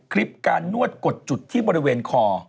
คลิปการนวดกดจุดที่บริเวณคอ